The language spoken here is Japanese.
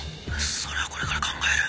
それはこれから考える。